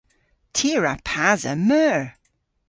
Ty a wra pasa meur.